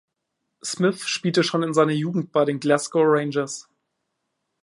Smith spielte schon in seiner Jugend bei den Glasgow Rangers.